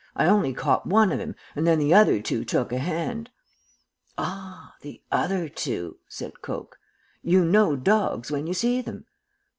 'I only caught one of him, and then the other two took a hand.' "'Ah, the other two,' said Coke. 'You know dogs when you see them?'